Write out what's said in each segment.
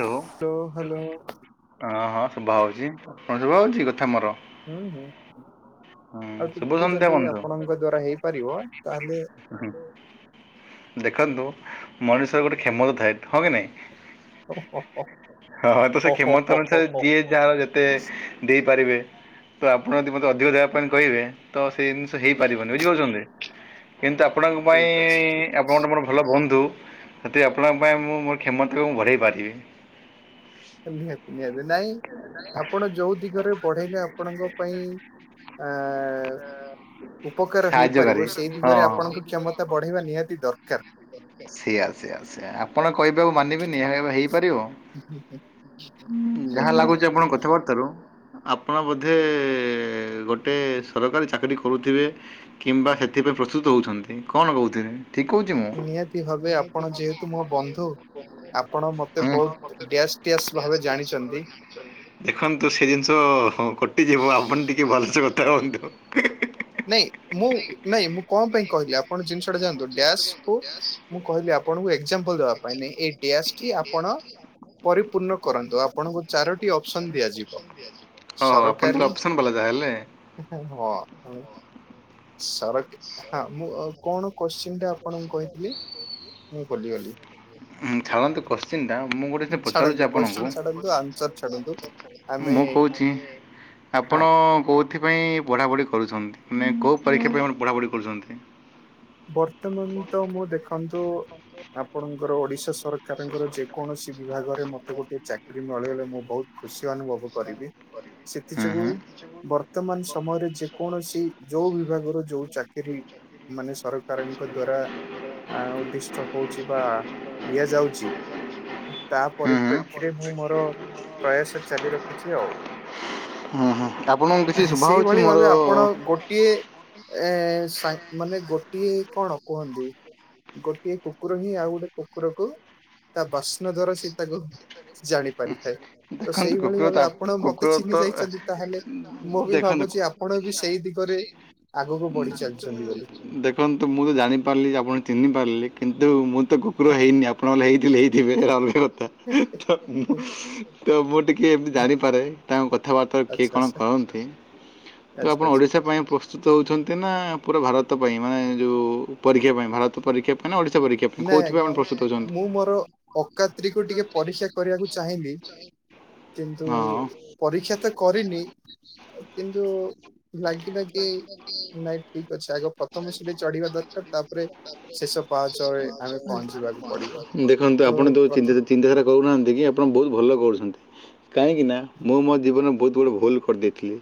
Hello hello hello ହଁ ହଁ ସୁଭା ହଉଛି କଣ ସୁଭା ହଉଛି କଥା ମୋର? ହୁଁ ହୁଁ। ହୁଁ ଆଉ ଶୁଭ ଟିକେ ସନ୍ଧ୍ୟା ଯଦି ବନ୍ଧୁ ଆପଣଙ୍କ ଦ୍ଵାରା ହେଇପାରିବ ତାହେଲେ ହୁଁ, ଦେଖନ୍ତୁ ମଣିଷର ଗୋଟେ କ୍ଷମତା ଥାଏ ହଁ କି ନାଇଁ। ହ ହଁ ତ ସେ କ୍ଷମତା ଅନୁସାରେ ଯିଏ ଯାହାର ଯେତେ ଦେଇପାରିବେ। ତ ଆପଣ ଯଦି ମତେ ଅଧିକ ଦେବା ପାଇଁ କହିବେ ତ ସେଇ ଜିନିଷ ହେଇପାରିବନି ବୁଝିପାରୁଛନ୍ତି। କିନ୍ତୁ ଆପଣଙ୍କ ପାଇଁ ଠିକ ଅଛି ଠିକ ଆପଣଙ୍କ ଅଛି ଗୋଟେ ମୋର ଭଲ ବନ୍ଧୁ। ସତିକି ଆପଣଙ୍କ ପାଇଁ ମୁଁ ମୋର କ୍ଷମତାକୁ ମୁଁ ବଢେଇ ପାରିବି। ନିହାତି ନିହାତି ନାଇଁ। ଆପଣ ଯୋଉ ଦିଗରେ ବଢେଇଲେ ଆପଣଙ୍କ ପାଇଁ ଆ [inaudible] ଉପକାର ସାହାଯ୍ୟକାରୀ ହେଇପାରିବ ସେଇ ହଁ ଦିଗରେ ହଁ ଆପଣଙ୍କ କ୍ଷମତା ବଢେଇବା ନିହାତି ଦରକାର। ସେଆ ସେଆ ସେଆ ସେ ଆପଣ କହିବେ ଆଉ ମାନିବେନି ହେଇ ଯାହା ନିହାତି ଲାଗୁଛି ନିହାତି ଆପଣ କଥାବାତ୍ତାରୁ ଆପଣ ବୋଧେ ଏ ଗୋଟେ ସରକାରୀ ଚାକିରୀ କରୁଥିବେ କିମ୍ବା ସେଥିପାଇଁ ପ୍ରସ୍ତୁତ ହେଉଛନ୍ତି କଣ କହୁଥିବେ? ଠିକ୍ କହୁଛି ମୁଁ। [unintelligible] ନିହାତି ଭାବେ ଆପଣ ଯେହେତୁ ମୋ ବନ୍ଧୁ ଆପଣ ମତେ ବହୁତ ଡ୍ୟାସ୍ ଡ୍ୟାସ୍ ଭାବେ ଜାଣିଛନ୍ତି ଦେଖନ୍ତୁ ସେ ଜିନିଷ ହ କଟିଯିବ, ଆପଣ ଟିକେ ଭଲସେ କଥା ହୁଅନ୍ତୁ। ନାଇଁ ମୁଁ ନାଇଁ ମୁଁ କଣ ପାଇଁ କହିଲି ଆପଣ [unintelligible] ହ ହୋ ଜିନିଷ ଆପଣଙ୍କୁ ଏକ୍ଜାମ୍ପଲ ଦେବା ପାଇଁ ନାଇଁ ଏଇ ଡ୍ୟାସ୍ ଟି ଆପଣ ପରିପୂର୍ଣ୍ଣ କରନ୍ତୁ ଆପଣଙ୍କୁ ଚାରୋଟି ଅପସନ ଦିଆଯିବ ଆପନ ତ ଅପସନ ଵାଲା ଜା ହେଲେ। ହ-ହ-ହଁ। ସରକ ହଁ ମୁଁ କଣ କୋଶ୍ଚିନ୍ ଟା ଆପଣଙ୍କୁ କହିଥିଲି? ମୁଁ ଭୁଲିଗଲି। ହୁଁ ଛାଲନ୍ତୁ କୋଶ୍ଚିିନ ଟା, ମୁଁ ଗୋଟେ ସେ ଛାଡନ୍ତୁ ପଚାରୁଛି ଆପଣଙ୍କୁ। କୋଶ୍ଚିନ୍ ଛାଡନ୍ତୁ ଆନ୍ସର ଛାଡନ୍ତୁ ଆମେ ମୁଁ କହୁଛି ହଁ ଆପଣ କହୁ ସେଥିପାଇଁ ପଢ଼ାପଢ଼ି କରୁଛନ୍ତି, ମାନେ କୋଉ ପରୀକ୍ଷା ପାଇଁ ପଢ଼ାପଢ଼ି କରୁଛନ୍ତି? ବର୍ତ୍ତମାନ ତ ମୁଁ ଦେଖନ୍ତୁ, ଆପଣଙ୍କର ଓଡିଶା ସ ସରକାରଙ୍କର ଯେକୌଣସି ବିଭାଗରେ ମୋତେ ଗୋଟିଏ ଚାକିରି ମଳି ବଳେ ମୁଁ ବହୁତ ଖୁସ ଅନୁଭବ କରିବି ହୁଁ ସେଥିଯୋଗୁଁ ହୁଁ। ବର୍ତ୍ତମାନ ସମୟରେ ଯେକୌଣସି ଯୋଉ ଭି ବିଭାଗର ଯୋଉ ଚାକିରୀ, ମାନେ ସରକାରଙ୍କ ଦ୍ଵାରା ଆ ଉଦ୍ଦିଷ୍ଟ ହଉଛି ବା ଦିଆଯାଉଚି ତା ହୁଁ ହୁଁ। ପରିପ୍ରେକ୍ଷୀରେ ମୁଁ ମୋର ପ୍ରୟାସ ଚାଲି ରଖିଛି ଆଉ। ହୁଁ ହୁଁ ଆପଣଙ୍କୁ କିଛି ହେଁ ଶୁଭା ହଉଛି ସେଇଭଳି ମୋର ଭାବେ ଆପଣ ଗୋଟିଏ ଏ ସା ମାନେ ଗୋଟିଏ କଣ କୁହନ୍ତି? ଗୋଟିଏ କୁକୁର ହିଁ ଆଉ ଗୋଟେ କୁକୁରକୁ ତା ବାସ୍ନା ଦ୍ଵାରା ସେ ତାକୁ ଜାଣି ପାରିଥାଏ। ତ ଦେଖନ୍ତୁ ସେଇଭଳି କୁକୁର ତ ଭାବେ ଆପଣ ମତେ କୁକୁର ତ ଚିହ୍ନି ଯାଇଛନ୍ତି, ତାହେଲେ ମୁଁ ବି ଦେଖନ୍ତୁ ଭାବୁଛି ଆପଣ ବି ସେଇ ଦିଗ ରେ ଆଗକୁ ବଢି ଚାଲିଛନ୍ତି ବୋଲି। ଦେନ୍ତୁ ମୁଁ ତ ଜାଣିପାରିଲି ଯେ ଆପଣ ଚିହ୍ନିପାରିଲେ, କିନ୍ତୁ ମୁଁ ତ କୁକୁର ହେଇନି ଆପଣ ନ ହେଇଥିଲେ ହେଇଥିବେ, ହେତ ଅଲଗା କଥା ତ ମୁଁ ତ ମୁଁ ଟିକେ କିଏ ଏମିତି ଜାଣିପାରେ, ତାଙ୍କ କଥାବାର୍ତ୍ତାାରେ କିଏ ଆଚ୍ଛା କଣ ଆଚ୍ଛା କରନ୍ତି? ତ ଆଚ୍ଛା ଆପଣ ଆଚ୍ଛା ଓଡିଶା ପାଇଁ ପ୍ରସ୍ତୁତ ହଉଛନ୍ତି ନା ପୁରା ଭାର ରତ ପାଇଁ ମାନେ ଯୋଉ ପରୀକ୍ଷା ପାଇଁ ଭାରତ ପରୀକ୍ଷା ପାଇଁ ନା ଓଡ଼ିଶା ପରୀକ୍ଷା ପାଇଁ ନାଇଁ କେଉଁଥିପାଇଁ ଆଜ୍ଞା ଆପଣ ପ୍ରସ୍ତୁତ ହେଉଛନ୍ତି ମୁଁ ମୋର ଅକାତ୍ରିକୁ ଟିକେ ପରୀସ୍ୟା କରିବାକୁ ଚାହିଁଲି। ଁ କିନ୍ତୁ ପରୀକ୍ଷା ତ କରିନି, କିନ୍ତୁ ଲାଗିଲା କି ନାଇଁ ଠିକ ଅଛି, ଆଗ ପ୍ରଥମ ସିଡି ଚଢିବା ଦରକାର ତାପରେ ଶେଷ ପା ତ ଦେଖନ୍ତୁ ଆପଣ ତୋ ପ୍ରଥମ ଚିନ୍ଦା ଚିନ୍ତାଧାରା କରୁନାହାନ୍ତି କି ଆପଣ ବହୁତ ଭଲ କରୁଛନ୍ତି। କାହିଁକି ନା, ମୁଁ ମୋ ଜୀବନରେ ବହୁତ ଗୁଡ଼େ ଭୁଲ କରିଦେଇଥିଲି।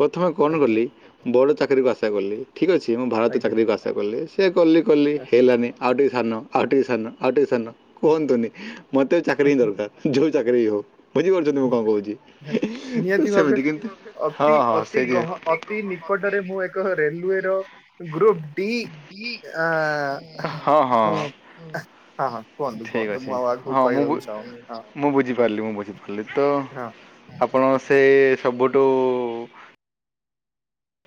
ପ୍ରଥମ କଣ ଆଜ୍ଞା କଲି ବଡ଼ ଚାକିରିକୁ ଆଶା କଲି ଠିକ୍ ଅଛି। ମୁଁ ଭାରତ ଚାକିରୀ ଆଜ୍ଞା। କୁ ଆଶା କଲି। ସେ କଲି କଲି ହେଲାନି ଆଉି ଟିକେ ସାନ ଆଉ ଟିକି ସାନ ଆଉ ଟିକେ ସାନ କୁହନ୍ତୁନି ମତେ ଚାକିରୀ ହିଁ ଦରକାର, ଯୋଉ ଚାକିରୀ ହଉ। ବୁଝିପାରୁଛନ୍ତି ମୁଁ କଣ କହୁଛି, ତ ନିହାତି ଭାବେ ସେମିତି କିନ୍ତୁ ହଁ ଅତି ହଁ। ଅତି ସେଇ ଗହ ଅତି ନିକଟରେ ମୁଁ ଏକ ରେଲୱେର ଗ୍ରୁପ ଡି ଆ ହଁ ହଁ। ହଁ ହଁ କୁହନ୍ତୁ ଠିକ କୁହନ୍ତୁ ମୁଁ ଅଛି ଆଉ ଆଗକୁ ହଁ ମୁଁ ବୁ କହିବାକୁ ଚାହୁଁନି ହଁ ମୁଁ ବୁଝିପାରିଲି ମୁଁ ବୁଝି ଖାଲି ତ ହଁ ଆପଣ ସେ ସବୁଠୁ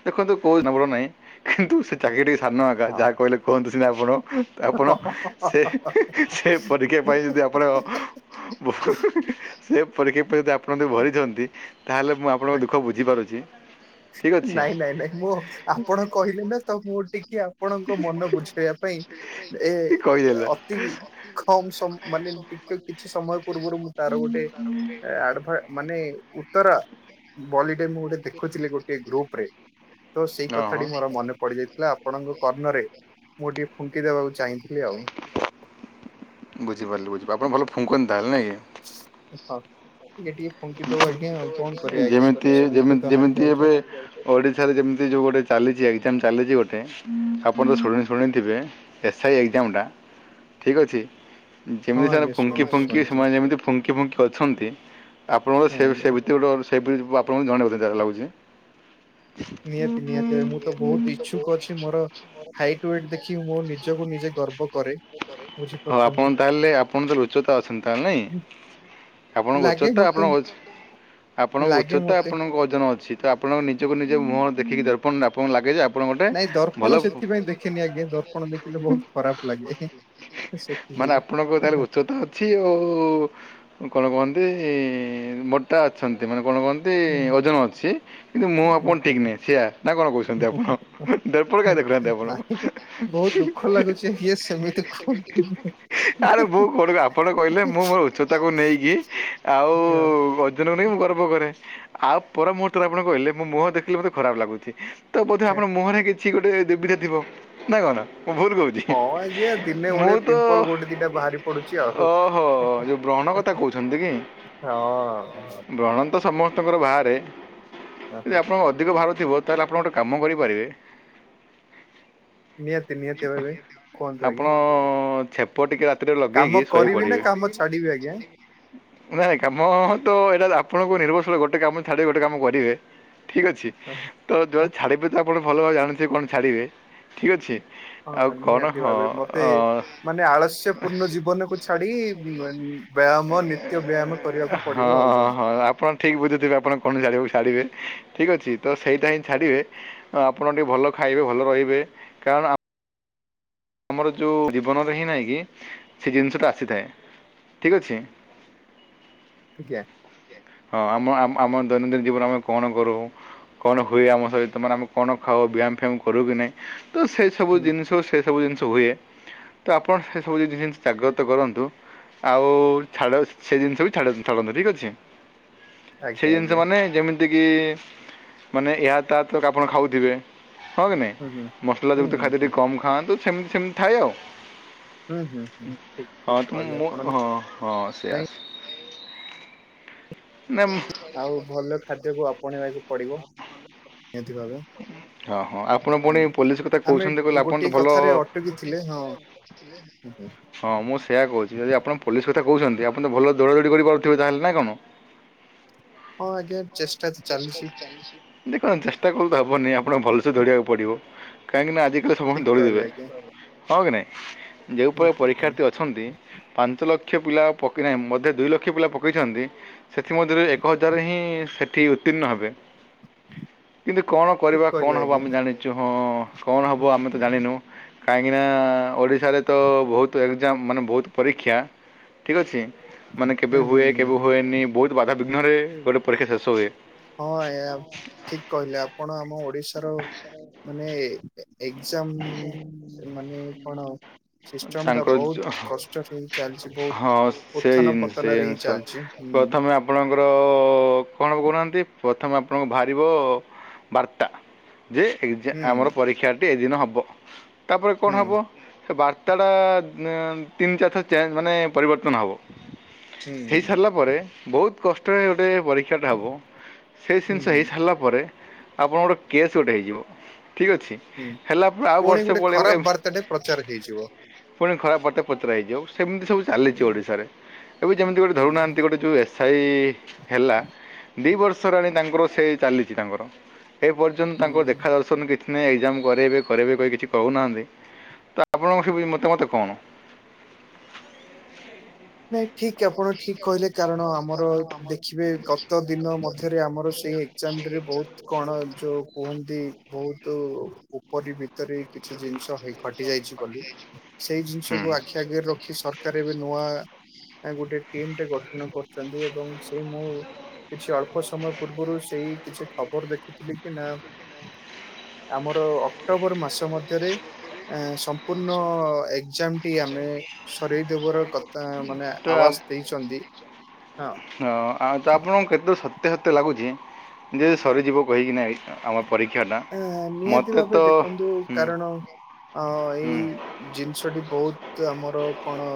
ଦେଖନ୍ତୁ କୋଉ ନମ୍ବର ନାହିଁ, କିନ୍ତୁ ସେ ଚାକିରି ସାନ ନ ଆଙ୍କା ହଁ। ଯାହା କହିଲେ କୁହନ୍ତୁ ସିନା ଆପଣ। ଆପଣ ସେ ସେ ପରୀକ୍ଷା ପାଇଁ ଯଦି ଆପଣ। [unintelligible] ପରୀକ୍ଷା ଯଦି ଆପଣ ଯଦି ଭରିଛନ୍ତି ତାହେଲେ ମୁଁ ଆପଣଙ୍କ ଦୁଃଖ ବୁଝିପାରୁଛି। ଠିକ୍ ଅଛି ନାଇଁ ନାଇଁ ନାଇଁ ମୁଁ ଆପଣ କହିଲେ ନା ତ ମୁଁ ଟିକେ ଆପଣଙ୍କ ମନ ବୁଝେଇବା ପାଇଁ ଏ କହିଦେଲେ ଅତି କମ ସମ ମାନେ ଟିକେ କିଛି ସମୟ ପୂର୍ବରୁ ମୁଁ ତାର ଗୋଟେ ଆଡଭା ମାନେ ଉତ୍ତର ବଲିଟେ ମୁଁ ଗୋଟେ ଦେଖୁଥିଲି, ଗୋଟ ଟେ ଗ୍ରୁପ ରେ ତ ସେଇ ହଁ ହଁ କଥାଟି ମୋର ମନେ ପଡି ଯାଇଥିଲା। ଆପଣଙ୍କ କର୍ଣ୍ଣରେ ମୁଁ ଟିକେ ଫୁଙ୍କି ଦେବାକୁ ଚାହେଁ। ବୁଝିପାରିଲି, ବୁଝିପାରିଲି, ଆପଣ ଭଲ ଫୁଙ୍କନ୍ତି! ତାହେଲେ ନାଇଁ କି [inaudible] ଟିକେ ଟିକେ ଫୁଙ୍କିଦଉ ଆଜ୍ଞା ଆଉ। କଣ କରିବା ଆଜ୍ଞା ଯେମିତି ସବୁଥିରେ ଯେମିତି ତ ହାରି ଯେମିତି ଯାଉଛ। ଏବେ ଓଡିଶାରେ ଯେମିତି ଯୋଉ ଗୋଟେ ଚାଲିଛି ଏକ୍ଜାମ ଚାଲିଛି ଗୋଟେ? ଆପଣ ତ ଶୁଣି ଶୁଣିଥିବେ ଏସ୍ ଆଇ ଏକ୍ଜାମ ଟା? ଠିକ୍ ଅଛି? ହଁ ଯେମିତି ସେମାନେ ଆଜ୍ଞା ଫୁଙ୍କି ଶୁଣିଛି ଫୁଙ୍କି ଶୁଣିଛି ସେମାନେ ଯେମିତି ଫୁଙ୍କି ଫୁଙ୍କି ଅଛନ୍ତି। ଆପଣଙ୍କର ହଁ ସେ ସେ ଆଜ୍ଞା [unintelligible] ନିହାତି ନିହାତି। ମୁଁ ତ ବହୁତ ଇଚ୍ଛୁକ ଅଛି ମୋର ହାଇଟ୍, ୱଟ୍ ଦେଖି ମୋ ନିଜକୁ ନିଜେ ଗର୍ବ କରେ। ହଉ ଆପଣ ବୁଝିପାରୁଛନ୍ତି। ତାହେଲେ ଆପଣ ତାହେଲେ ଉଚ୍ଚତା ଅଛନ୍ତି ତାହେଲେ ନାଇଁ? ଆପଣଙ୍କ ଲାଗେ ଉଚ୍ଚତା ମତେ ଆପଣଙ୍କ [unintelligible] ଆପଣଙ୍କ ଲାଗେ ଉଚ୍ଚତା ମତେ ଆପଣଙ୍କ ଓଜନ ଅଛି ତ। ଆପଣଙ୍କ ନିଜକୁ ନିଜ ମୁହଁ ଦେଖିକି ଦର୍ପଣ ଆପଣଙ୍କୁ ଲାଗେ ଯେ ଆପଣ ଗୋଟେ ନାଇଁ ଦର୍ପଣ ଭଲ ସେଥିପାଇଁ ଦେଖେନି ଆଜ୍ଞା। ଦର୍ପଣ ଦେଖିଲେ ବହୁତ ଖରାପ ଲାଗେ। ସେଥି ମାନେ ଆପଣଙ୍କ ତାହେଲେ ଯୋଗୁ। ଉଚ୍ଚତା ଅଛି ଆଉ କଣ କୁହ ଆ ମୋଟା ଅଛନ୍ତି। ମାନେ କଣ କହନ୍ତି ଓଜନ ଅଛି। କିନ୍ତୁ ମୁହଁ ଆପଣଙ୍କର ଠିକ ନାହିଁ ସିଆ ନା କଣ କହୁଛନ୍ତି ଆପଣ? ଦର୍ପଣ କାଇଁ ଦେଖୁନାହାନ୍ତି ଆପଣ ନାଇଁ ବହୁତ ଦୁଃଖ ଲାଗୁଛି ଇଏ ସେମିତି କୁହନ୍ତୁନି। ଆରେ ମୁଁ କଣ ଆପଣ କହିଲେ ମୁଁ ମୋର ଉଚ୍ଚତାକୁ ନେଇକି ଆଉ ଓଜନ ମୁଁ ଗର୍ବ କରେ। ଆଉ ପର ମୁହୂର୍ତରେ ଆପଣ କହିଲେ, ମୋ ମୁହଁ ଦେଖିଲେ ମତେ ଖରାପ ଲାଗୁଛି। ତ ବୋଧେ ଆପଣଙ୍କ ମୁହଁରେ କିଛି ଗୋଟେ ଦୁବିଧା ଥିବ। ନାଁ କଣ? ମୁଁ ଭୁଲ କହୁଛି? ହଁ ଆଜ୍ଞା ଦିନେ ମୁଁ ଓଳିଏ ତ ପିମ୍ପଲ ଗୋଟେ ଦିଟା ବାହାରି ପଡୁଛି ଆଉ। ଓହୋ ଯୋଉ ବ୍ର ବ୍ରଣ କଥା କହୁଛନ୍ତି କି? ହଁ। ବ୍ରଣ ତ ସମସ୍ତଙ୍କର ବାହାରେ, ଯଦି ଓହୋ ଆପଣ ଅଧିକ ବାହାରୁ ଥିବ ତାହେଲେ ଆପଣ ଗୋଟେ କାମ କରିପାରିବେ? ନିହାତି ନିହାତି ଭାବେ କୁହନ୍ତୁ ଆପଣ ଆଜ୍ଞା। ଛେପ ଟିକେ ରା ରାତିରେ ଲଗେଇକି କାମ ଶୋଇ କରିବି ନା ପଡିବେ। କାମ ଛାଡିବି ଆଜ୍ଞା? ନାଇଁ କାମ ତ ଏଇଟା ଆପଣଙ୍କୁ ନିର୍ଭରଶୀଳ ଗୋଟେ କାମ ଛାଡି ଗୋଟେ କାମ କରିବେ। ଠିକ ଅଛି? ତ ଯୋଉଗୁଡା ଛାଡିବେ ତ ଆପଣ ଭଲ ଭାବେ ଜାଣିଥିବେ କଣ ଛାଡିବେ? ଠିକ ଅଛି। ଆଉ ହଁ କ'ଣ ନିହାତି ହଁ ଭାବେ, ମତେ ଅଁ, ମାନେ ଆଳସ୍ୟ ପୂର୍ଣ୍ଣ ଜୀବନକୁ ଛାଡି ଉମ୍ ବ ବ୍ୟାୟାମ ନିତ୍ୟ ବ୍ୟାୟାମ କରିବାକୁ ପଡେ। ହଁ, ହଁ, ଆପଣ ଠିକ ବୁଝିଥିବେ ଆପଣ କଣ ଜାଣିବା [unintelligible] ବେ ଠିକ୍ ଅଛି। ତ ସେଇଟା ହିଁ ଛାଡ଼ିବେ ଆପଣ ଟିକେ ଭଲ ଖାଇବେ ଭଲ ରହିବେ, କାରଣ ଆମ ଆମର ଯୋଉ ଜୀବନରେ ହିଁ ନାହିଁ କି? ସେ ଜିନିଷ ଟା ଆସିଥାଏ ଠିକ ଅଛି। [inaudible] ଆଜ୍ଞା। ହଁ ଆମ ଆମ ଦୈନନ୍ଦିନ ଜୀବନରେ ଆମେ କଣ କରୁ? କଣ ହୁଏ ଆମ ସହିତ ମାନେ ଆମେ କଣ ଖାଉ? ବ୍ୟାୟାମ ଫ୍ୟାୟାମ କରୁ କି ନାଇଁ? ତ ସେସବୁ ହୁଁ ଜିନିଷ ସେ ସବୁ ଜିନିଷ ହୁଏ। ତ ଆପଣ ସେ ସବୁ ଜିନିଷ ଜାଗ୍ରତ କରନ୍ତୁ। ଆଉ ଛାଡ ସେ ଜିନିଷ ବି ଛାଡ଼ନ୍ତୁ ଛାଡ଼ନ୍ତୁ। ଠିକ୍ ଅଛି। ଆଜ୍ଞା ସେଇ ଜିନିଷ ଆଜ୍ଞା ମାନେ ଯେମିତି କି? ମାନେ ଏହା ତା ତ ଆପଣ ଖାଉଥିବେ? ହଁ କି ହୁଁ ହୁଁ। ନାଇଁ ମସଲା ହୁଁ ଯୁକ୍ତ ହୁଁ ଖାଦ୍ୟ ହୁଁ ଟିକେ କମ୍ ଖାଆନ୍ତୁ। ସେମିତି ସେମିତି ଥାଏ ଆଉ। ହୁଁ ହୁଁ ହୁଁ ଠିକ ଠିକ ହଁ ତୁ କହିଲେ ମୁଁ ଆପଣ। ହଁ ହଁ ସେଇଆ। ଆଉ ଭଲ ଖାଦ୍ୟକୁ ଆପଣେଇବାକୁ ପଡ଼ିବ ନିହାତି ଭାବେ। ହଁ ହଁ ଆପଣ ପୁଣି ପୋଲିସ କଥା ଆମେ କହୁଛନ୍ତି କହିଲେ ଆପଣ ଗୋଟିଏ ତ ଭଲ କଥାରେ ଅଟକି ଥିଲେ ହଁ। ହୁଁ ହଁ ମୁଁ ସେଇଆ କହୁଛି ଯଦି ଆପଣ ପୋଲିସ୍ କଥା କହୁଛନ୍ତି ଆପଣ ତ ଭଲ ଦୌଡ଼ା ଦୌଡ଼ି କରିପାରୁଥିବେ ତାହେଲେ ନା କଣ? ହଁ ଆଜ୍ଞା ଚେଷ୍ଟା ତ ଚାଲିଚି। ଦେଖନ୍ତୁ ଚେଷ୍ଟା କଲେ ତ ହେବନି ଆପଣଙ୍କୁ ଭଲସେ ଧରିବାକୁ ପଡ଼ିବ କାହିଁକିନା ଠିକ [unintelligible] କହିଲେ ଦେବେ ଆଜ୍ଞା। ହଁ କି ନାଇଁ? ଯେଉଁ ହୁଁ ପରି ହୁଁ ପରୀକ୍ଷାର୍ଥୀ ଅଛନ୍ତି ପାଞ୍ଚ ଲ ଲକ୍ଷ ପିଲା ପକେଇନାହିଁ ମଧ୍ୟ ଦୁଇ ଲକ୍ଷ ପିଲା ପକେଇଚନ୍ତି। ସେଥି ମଧ୍ୟରୁ ଏକ ହଜାର ହିଁ ସେଠି ଉତ୍ତୀର୍ଣ୍ଣ ହେବେ। କିନ୍ତୁ କଣ ଠିକ କରିବା କହିଲେ କଣ ହବ ଆଜ୍ଞା ଆମେ ଜାଣିଚୁ ହଁ କଣ ହୁଁ ହବ ଆମେ ହୁଁ ତ ଜାଣିନୁ। କାହିଁକିନା ଓଡ଼ିଶାରେ ତ ବହୁତ୍ ଏକ୍ଜାମ୍ ମାନେ ବହୁତ୍ ପରୀକ୍ଷା ଠିକ୍ ଅଛି। ମାନେ କେବେ ହୁଁ ହୁଏ ହୁଁ କେବେ ହୁଁ। ହୁଏନି ବହୁତ୍ ବାଧାାବିଘ୍ନ ରେ ଗୋଟେ ପରୀକ୍ଷା ଶେଷ ହୁଏ। ହଁ ଆଜ୍ଞା ଠିକ୍ କହିଲେ ଆପଣ ଆମ ଓଡ଼ିଶାର ମାନେ ଏ [unintelligible] ମାନେ କଣ? ସିଷ୍ଟମ୍ ଟା ତାଙ୍କର ବହୁତ୍ କଷ୍ଟରେ [unintelligible] ଚାଲିଛି ବହୁତ୍ ହଁ ସେ ଉଥନ ଜିନିଷ ସେ ପତନ ରେ ହିଁ ଜିନିଷ ଚାଲିଛି। ପ୍ରଥମେ ଆପଣଙ୍କର କଣ କହୁନାହାନ୍ତି? ପ୍ରଥମେ ଆପଣଙ୍କୁ ବାହାରିବ ବାର୍ତ୍ତା ଯେ ଏ ହୁଁ ଆମର ପରୀକ୍ଷା ଏଇଦିନ ହବ। ତାପରେ କଣ ହୁଁ ହବ ସେ ବା [unintelligible] ତିନି ଚାରିଥର ଚେଞ୍ଜ ମାନେ ପରିବର୍ତ୍ତନ ହେବ। ହୁଁ ହେଇସାରିଲା ପରେ ବହୁତ୍ କଷ୍ଟରେ ଗୋଟେ ପରୀକ୍ଷା ଟା ହବ ସେ ହୁଁ ଜିନିଷ ହେଇ ସାରିଲା ପରେ ଆପଣଙ୍କର କେସ୍ ଗୋଟେ ହେଇଯିବ ଠିକ୍ ଅଛି ହେଲା ଫୁଣି ଗୋଟେ ଖରାପ ବାର୍ତ୍ତାଟେ ପ୍ରଚାର ହେଇ ଫୁଣି [unintelligible] ପତ୍ର ହେଇଯିବ ସେମିତି ସବୁ ଚାଲିଛି ହୁଁ ଓଡ଼ିଶାରେ। ଏବେ ଯେମିତି ଗୋଟେ ହୁଁ ଧରୁନାହାନ୍ତି ଗୋଟେ ଯୋଉ ଏ ସେଇ ହେଲା ଦୁଇ ବର୍ଷ [unintelligible] ତାଙ୍କର ସେଇ ଚାଲିଛି ତାଙ୍କର। ଏ ପର୍ଯ୍ୟନ୍ତ ତାଙ୍କ ହୁଁ। ଦେଖା ଦର୍ଶନ କିଛି ନାହିଁ ଏକ୍ଜାମ୍ କରାଇବେ। ଘରେ ବି କେହିକିଛି କହୁନାହାନ୍ତି ତ ଆପଣଙ୍କ ମତା ମତ କଣ? [unintelligible] ନାଇଁ ଠିକ୍ ଆପଣ ଠିକ୍ କହିଲେ କାରଣ ଆମର ଦେଖିବେ ଗତ ଦିନ ମଧ୍ୟରେ ଆମର ସେଇ [unintelligible] ରେ ବହୁତ୍ କଣ ଯୋଉ କୁହନ୍ତି ବହୁତ୍ ଉପରି ଭିତରେ କିଛି ଜି ଜିନିଷ ହେଇ ଘଟି ଯାଇଛି ବୋଲି ସେଇ ଜିନିଷକୁ ଆଖି ଆଗରେ ରଖି ସରକାର ଏବେ ନୂଆ ଗୋଟେ ଟିମ୍ ଟେ ଗଠନ କରୁଛନ୍ତି ଏବଂ ସେ ମୁଁ କିଛି ଅଳ୍ପ ସମୟ ପୂର୍ବରୁ ସେଇ କିଛି ଖବର ଦେଖୁଥିଲି କି ନା ମୁଁ ଆର ଅକ୍ଟୋବର ମାସ ମଧ୍ୟରେ ଆ ସମ୍ପୂର୍ଣ୍ଣ ଏକ୍ଜାମ୍ ଟି ଆମେ ସରେଇ ଦେବାର କ ମାନେ ହୁଁ ତ ଆବାଜ୍ ଦେଇଛନ୍ତି। ହଁ ଆଉ ତ ଆପଣଙ୍କୁ କେତେ ସତ୍ୟା ସତ୍ୟ ଲାଗୁଛି ଯେ ସରିଯିବ କହିକିନା [unintelligible] ଆ ନିହାତି ମୋତେ ଭାବେ ତ ଦେଖନ୍ତୁ ହୁଁ କାରଣ ଅ ହୁଁ ଏଇ ଜିନିଷଟି ବହୁତ୍ ଆମର କଣ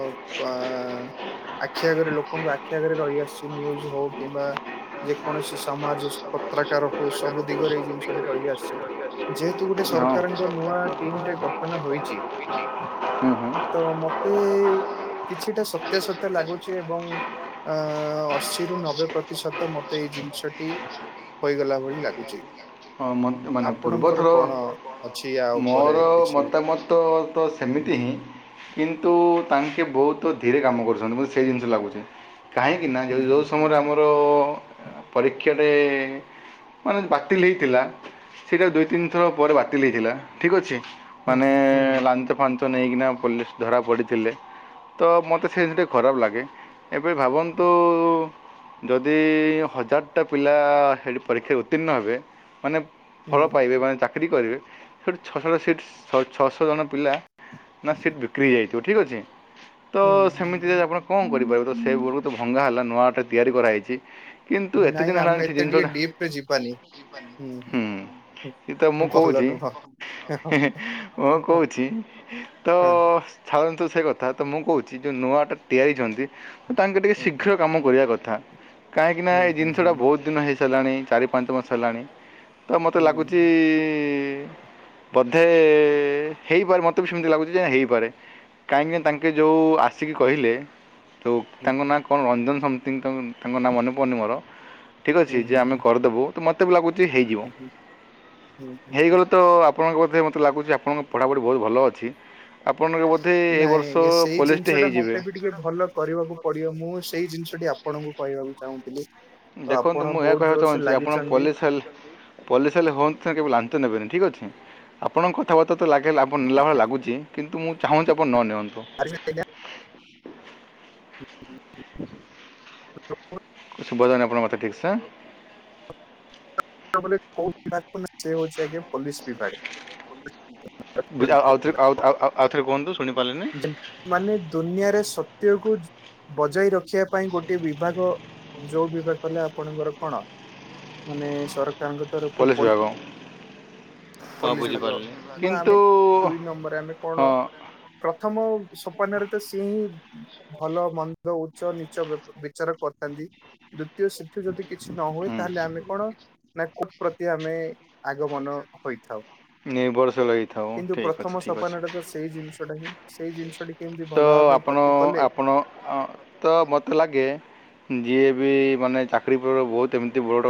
ଆ ଆଖି ଆଗରେ ଲୋକଙ୍କୁ ଆଖି ଆଗରେ ରହିଆସିଛି ନିୟୁଜ୍ ହଉ କିମ୍ବା ଯେକୌଣସି ସମାଜ, ପତ୍ରାକାର ହଉ ସବୁ ଦିଗରେ ଏଇ ଜିନିଷଟି ରହିଆସିଛି। ଯେହେତୁ ଗୋଟେ ହଁ ସରକାରଙ୍କ ନୂଆ ଟିମ୍ ଟେ ଗଠନ ହୋଇଛି। ହୁଁ ହୁଁ ତ ମତେ କିଛିଟା ସତ୍ୟା ସ ତ ଲାଗୁଛି ଏବଂ ଅ ଅଶିରୁ ନବେ ପ୍ରତିଶତ ମତେ ଏଇ ଜିନିଷ ହୋଇଗଲା ଭଳି ଲାଗୁଛି। ହଁ ମ ମାନେ ଆପଣଙ୍କର ପୂର୍ବଥର କଣ ଅଛି ୟା ଉପରେ ମୋର କିଛି? ମତାମତ ତ ସେମିତି କିନ୍ତୁ ତାଙ୍କେ ବହୁତ ଧୀରେ କାମ କରୁଛନ୍ତି ମତେ ସେଇ ଜିନିଷ ଲାଗୁଛି। କାହିଁକିନା ଯେ ହୁଁ ଯୋଉ ଯେଉଁ ସମୟରେ ଆମର ପରୀକ୍ଷାଟେ ମାନେ ବାକ ବାତିଲ ହୋଇଥିଲା ସେଇଟା ଦୁଇ ତିନି ଥର ପରେ ବାତିଲ ହୋଇଇଥିଲା ଠିକ୍ ଅଛି। ହୁଁ ମାନେ ହୁଁ ହୁଁ ଲାଞ୍ଚ ଫାଞ୍ଚ ନେଇକିନା ପୋଲିସ ଧରା ପଡିଥିଲେ। ତ ମତେ ସେ ଜିନିଷ ଟା ଖରାପ ଲାଗେ ଏବେ ଭାବନ୍ତୁ। ଯଦି ହଜାରଟା ପିଲା ହେ ପରୀକ୍ଷାରେ ଉତ୍ତୀର୍ଣ୍ଣ ହେବେ। ମାନେ ହୁଁ ଫଳ ପାଇବେ ମାନେ ତା ଚାକିରି କରିବେ ସେଇଠୁ ଛଅଶହଟ ସିଟ୍ ଛଅଶହ ଜଣ ପିଲା ନା ସିଟ୍ ବିକ୍ରି ଯାଇଛି। ଠିକ୍ ଅଛି ତ ହୁଁ ହୁଁ ସେମିତି ରେ ହୁଁ ଆପଣ କଣ କରିପାରିବେ। ତ ସେ ବହୁତ ଭଙ୍ଗା ହେଲା ନୂଆଟେ ତିଆରି କରାଯହୋଇଛି। କିନ୍ତୁ ହୁଁ ଏତେ ନାଇଁ ଦିନ ହେଲାଣି ଆମେ ସେ ଏତେ ଜିନିଷ ଟିକେ ଟା ଡିପ ରେ ଯିବାନି ହୁଁ ଏଇ ହୁଁ। ତମକୁ ଭଲ କହୁଛି। ନୁହଁ ହୁଁ ହେଁ ହୁଁ ଏଁ ମୁଁ କହୁଛି ତ ଭାବନ୍ତୁ ସେ କଥା ତ ମୁଁ କହୁଛି ଯେଉଁ ନୂଆଟା ତିଆରିଛନ୍ତି ତାଙ୍କେ ଟିକେ ହୁଁ ଶୀଘ୍ର କାମ କରିବା କଥା। କାହିଁକି ନା ଏଇ ହୁଁ ହୁଁ ଜିନିଷ ଟା ହୁଁ। ବହୁତ ଦିନ ହେଇ ସାରିଲାଣି ଚାରି ପାଞ୍ଚ ମାସ ହେଲାଣି। ଆଉ ମତେ ହୁଁ ଲାଗୁଛି। ବୋଧେ ହେଇପାରେ ମତେ ବି ସେମତି ଲାଗୁଛି ଯେ ହେଇପାରେ। କାହିଁକି ନା ତାଙ୍କେ ଯୋଉ ଆସିକି କହିଲେ। ତ ତାଙ୍କ ହୁଁ ନାଁ କଣ ରଞ୍ଜନ ସମତି ତାଙ୍କ ନାଁ ମନେପଡଡୁନି ମୋର। ଠିକ ଅଛି ହୁଁ ଯେ ହୁଁ ଆମେ କରିଦବୁ ତ ମତେ ବି ଲାଗୁଛି ହେଇଯିବ ହୁଁ ହୁଁ ହୁଁ ହୁଁ। ହେଇଗଲେ ତ ଆପଣଙ୍କ ବୋଧେ ମୋତେ ଲାଗୁଛି ଆପଣଙ୍କ ପଢ଼ାପଢ଼ି ବହୁତ ଭଲ ଅଛି। ଆପଣଙ୍କ ବୋଧେ। ଏ ନାଇଁ ବର୍ଷ ଆଜ୍ଞା ସେଇ ପୋଲିସ୍ଟେ ଜିନିଷ ଟା ହେଇଯିବେ ମତେ ବି ଟିକେ ଭଲ କରିବାକୁ ପଡିବ ମୁଁ ସେଇ ଜିନିଷଟି ଆପଣଙ୍କୁ କହିବାକୁ ଚାହୁଁ ଦେଖନ୍ତୁ ମୁଁ ଏହାୟ କହିବାକୁ ଚାହୁଁଛି ଆପଣ ଲାଗିଛନ୍ତି। ପୋଲିସ ହେଲେ ପୋଲିସ ହେଲେ ହୁଅନ୍ତୁ କେବେ ଲାଞ୍ଚ ନେବେନି ଠିକ ଅଛି ଆପଣଙ୍କ କଥାବାର୍ତ୍ତା ଲାଗ ଆପଣ ନେଲା ଭଳି ଲୁଛି କିନ୍ତୁ ମୁଁ ଚାହୁଁଛି ଆପଣ ନ ନିଅନ୍ତୁ। [unintelligible] ଟ ପ ଶୁଭାଯାଉନି ଆପଣଙ୍କ କଥା ଠିକସେ। କୋଉ ବିଭାଗକୁ ସେ ହଉଛି ଆଜ୍ଞ ପୋଲିସ ବିଭାଗ। ବଝଉଅ ଆଉଥରେ ଆଉ ଆ କୁହନ୍ତୁ। ଶୁଣିପାରିଲିନି ଯେ ମାନେ ଦୁନିଆରେ ସତ୍ୟକୁ। ବଜାଇ ରଖିବା ପାଇଁ ଗୋଟଏ ବିଭାଗ ଯୋଉ ବିଭାଗ କଲେ ଆପଣଙ୍କର କଣ ମାନେ ସରକାରଙ୍କ ତରଫରୁ ପୋଲିସ୍ ପଇ ବିଭାଗ ହଁ ପୋଲିସ ବୁଝିପାରିଲି ଗୁଡାକ ଆମେ କିନ୍ତୁ ଦୁଇ ନମ୍ବରରେ ଆମେ କଣ ହଁ ପ୍ରଥମ ସପନରେ ତ ସିଏ ହିଁ ଭଲ ମନ୍ଦ ଉଚ୍ଚ ନିଚ ବିଚାର କରିଥାନ୍ତି। ସେଠୁ ଯଦି କିଛି ନ ହୁଏ ହୁଁ ତାହେଲେ ଆମେ କଣ ନା କୋର୍ଟ ପ୍ରତି ଆମେ ଆଗମନ। ହୋଇଥାଉ ନିର୍ଭରଶୀଳ ହେଇଥାଉ କିନ୍ତୁ ଠିକ୍ ଅଛି ପ୍ରଥମ ଠିକ୍ ଅଛି ସପନା ଟା ତ ସେଇ ଜିନିଷ ଟା ହିଁ। ସେଇ ଜିନିଷଟି। କେମିତି ତ ଭଲ ଭାବେ ଆପଣ ଗତି କଲେ ଆପଣ ତ ମତେ ଲାଗେ ଯିଏ ବି ମାନେ ଚାକିରୀରେ ବହୁତ ଏମିତି ବଡ଼।